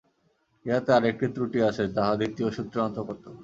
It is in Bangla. ইহাতে আর একটি ত্রুটি আছে, তাহা দ্বিতীয় সূত্রের অন্তর্গত।